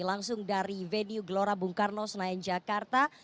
langsung dari venue gelora bung karno senayan jakarta